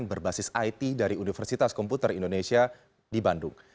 berbasis it dari universitas komputer indonesia di bandung